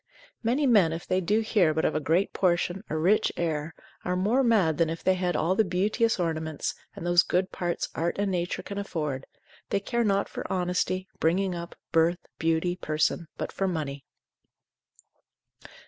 Many men if they do hear but of a great portion, a rich heir, are more mad than if they had all the beauteous ornaments, and those good parts art and nature can afford, they care not for honesty, bringing up, birth, beauty, person, but for money.